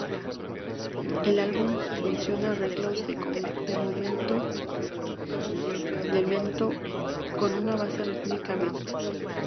El álbum fusiona arreglos de mento con una base rítmica beat.